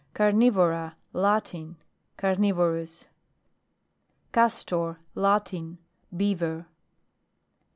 CARNIVORA, Latin. Carnivorou CASTOR. Latin. Beaver.